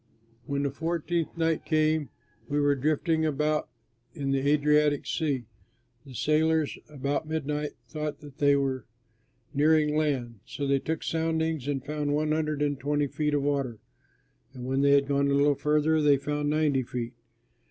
When the fourteenth night came and we were drifting about in the Adriatic Sea, the sailors about midnight thought that they were nearing land. So they took soundings and found one hundred and twenty feet of water; and when they had gone a little farther they found ninety feet.